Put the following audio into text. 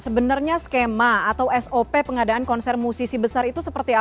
sebenarnya skema atau sop pengadaan konser musisi besar itu seperti apa